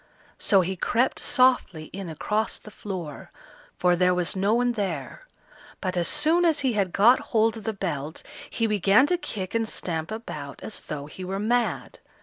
So he crept softly in across the floor, for there was no one there; but as soon as he had got hold of the belt, he began to kick and stamp about as though he were mad.